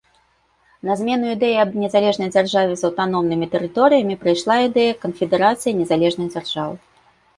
На змену ідэі аб незалежнай дзяржаве з аўтаномнымі тэрыторыямі прыйшла ідэя канфедэрацыі незалежных дзяржаў.